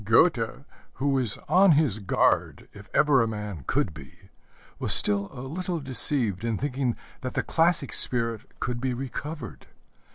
Goethe, who was on his guard if ever a man could be, was still a little deceived in thinking that the classic spirit could be recovered.